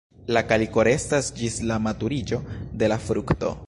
La kaliko restas ĝis la maturiĝo de la frukto.